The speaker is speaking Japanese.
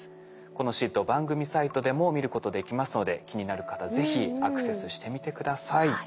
このシート番組サイトでも見ることできますので気になる方是非アクセスしてみて下さい。